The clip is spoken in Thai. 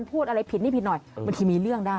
พูดอะไรผิดนี่ผิดหน่อยบางทีมีเรื่องได้